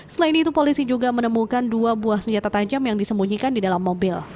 selain itu polisi juga menemukan dua buah senjata tajam yang disembunyikan di dalam mobil